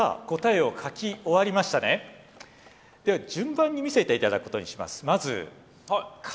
では順番に見せていただくことにします。